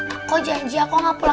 aku janji aku nggak pulang malem malem